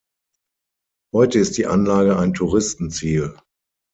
Heute ist die Anlage ein Touristenziel.